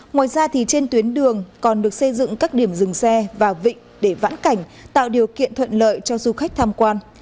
ngoài ra trên tuyến đường còn được xây dựng các điểm dừng xe và vịnh để vãn cảnh tạo điều kiện thuận lợi cho du khách tham quan